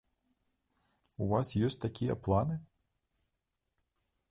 У вас ёсць такія планы?